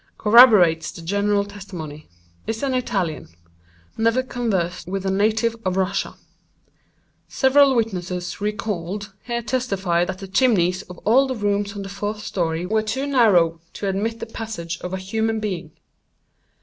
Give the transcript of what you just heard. Corroborates the general testimony. Is an Italian. Never conversed with a native of Russia. "Several witnesses, recalled, here testified that the chimneys of all the rooms on the fourth story were too narrow to admit the passage of a human being.